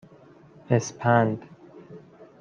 اِسپند